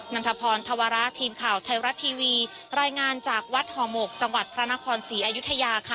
นันทภอนธวาราธีมข่าวไทยรัฐทีวีแรงงานจากวัดห่อโหมกจังหวัดพระหน้าคอร์นศรีอยุธยาค่ะ